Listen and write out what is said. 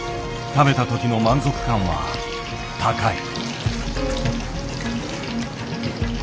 食べた時の満足感は高い。